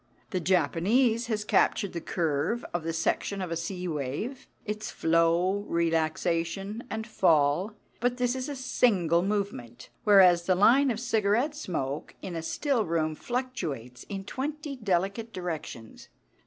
The Japanese has captured the curve of the section of a sea wave its flow, relaxation, and fall; but this is a single movement, whereas the line of cigarette smoke in a still room fluctuates in twenty delicate directions.